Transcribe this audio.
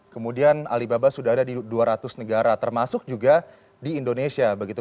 kemudian alibaba sudah ada di dua ratus negara termasuk juga di indonesia begitu